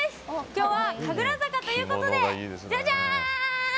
今日は神楽坂ということでじゃじゃん！